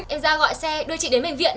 em ra gọi xe đưa chị đến bệnh viện